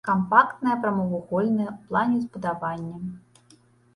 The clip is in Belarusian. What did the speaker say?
Кампактнае прамавугольнае ў плане збудаванне.